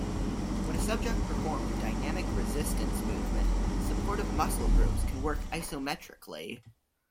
When a subject performs a dynamic resistance movement, supportive muscle groups can work isometrically.